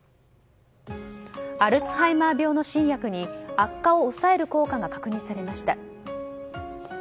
アルツハイマー病の新薬に悪化を抑える効果が確認されました。